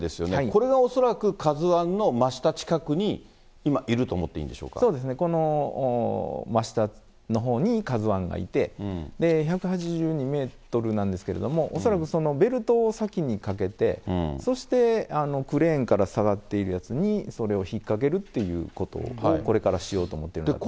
これが恐らくＫＡＺＵＩの真下近くに今いると思っていいんでしそうですね、この真下のほうにＫＡＺＵＩがいて、１８２メートルなんですけれども、恐らくそのベルトを先にかけて、そして、クレーンから下がっているやつに、それを引っかけるということをこれからしようと思ってるんだと。